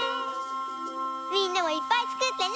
みんなもいっぱいつくってね！